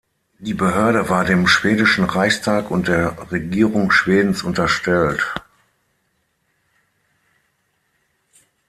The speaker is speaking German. Die Behörde war dem schwedischen Reichstag und der Regierung Schwedens unterstellt.